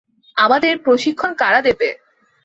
আমাদের প্রশিক্ষণ কারা দেবে?